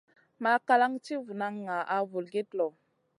Makalan ti vunan ŋaʼa vulgit lõ.